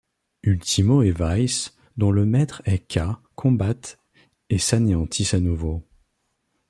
Ultimo et Vice, dont le maître est K combattent et s'anéantissent à nouveau.